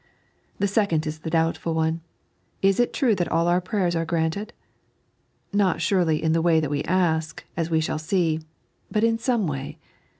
The seoond is the doubtful one. Is it true that aH our prayers are granted ? Not surely in the way that we ask, as we shall see ; but in some way.